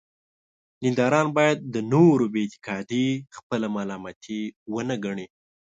دینداران باید د نورو بې اعتقادي خپله ملامتي وګڼي.